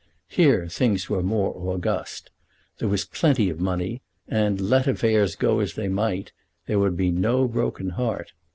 Here things were more august. There was plenty of money, and, let affairs go as they might, there would be no broken heart.